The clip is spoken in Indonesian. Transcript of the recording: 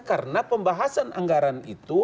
karena pembahasan anggaran itu